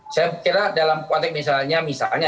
saya kira dalam konteks misalnya misalnya